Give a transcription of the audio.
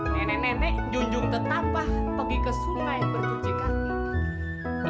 nenek nenek junjung tetapah pergi ke sungai berkuci kaki